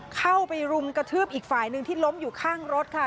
เข้าไปรุมกระทืบอีกฝ่ายหนึ่งที่ล้มอยู่ข้างรถค่ะ